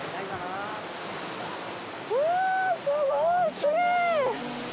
おお、すごい、きれい。